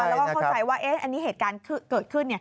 แล้วก็เข้าใจว่าอันนี้เหตุการณ์เกิดขึ้น